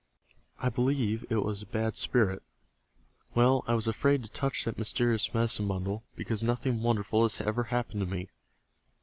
I believe it was a Bad Spirit. Well, I was afraid to touch that mysterious medicine bundle, because nothing wonderful has ever happened to me.